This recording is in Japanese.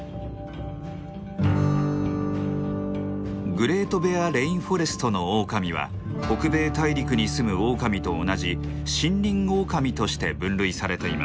グレート・ベア・レインフォレストのオオカミは北米大陸に住むオオカミと同じ「シンリンオオカミ」として分類されています。